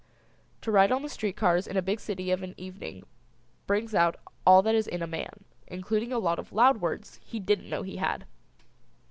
To ride on the street cars in a big city of an evening brings out all that is in a man, including a lot of loud words he didn't know he had.